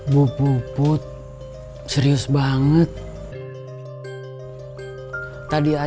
jol opportunity buat anaknya